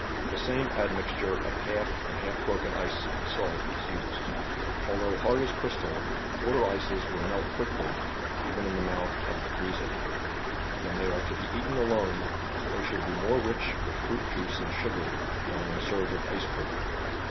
The same admixture of half and half broken ice and salt is used. Although hard as crystal, water ices will melt quickly, even in the mouth of the freezer. When they are to be eaten alone, they should be more rich with fruit juice and sugar than when served with ice cream.